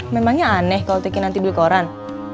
memangnya aneh kalo teki nanti beli koran